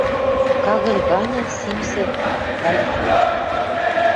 Кагыль ганьы симсӹ галифе.